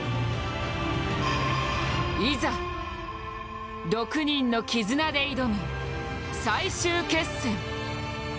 いざ、６人の絆で挑む最終決戦。